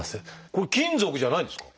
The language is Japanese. これ金属じゃないんですか？